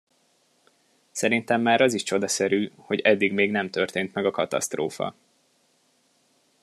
Szerintem már az is csodaszerű, hogy eddig még nem történt meg a katasztrófa.